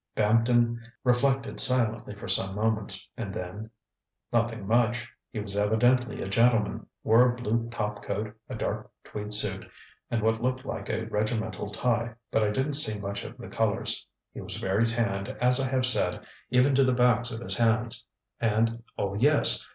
ŌĆØ Bampton reflected silently for some moments, and then: ŌĆ£Nothing much, ŌĆØ he confessed. ŌĆ£He was evidently a gentleman, wore a blue top coat, a dark tweed suit, and what looked like a regimental tie, but I didn't see much of the colours. He was very tanned, as I have said, even to the backs of his hands and oh, yes!